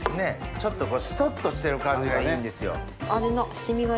ちょっとしとっとしてる感じがいいんですよ。